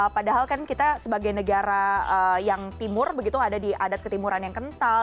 padahal kan kita sebagai negara yang timur begitu ada di adat ketimuran yang kental